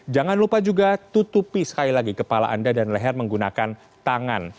jangan lupa juga tutupi sekali lagi kepala anda dan leher menggunakan tangan